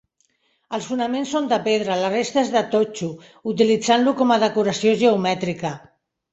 Els fonaments són de pedra, la resta és de totxo, utilitzant-lo com a decoració geomètrica.